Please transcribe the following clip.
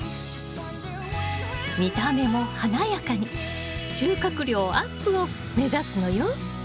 見た目も華やかに収穫量アップを目指すのよ。